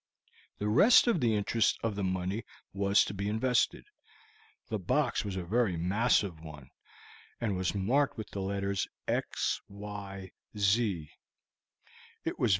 The rest of the interest of the money was to be invested. The box was a very massive one, and was marked with the letters XYZ.